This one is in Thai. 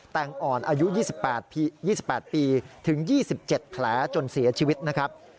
แต่งอ่อนอายุ๒๘ปีถึง๒๗แผลจนเสียชีวิตนะครับ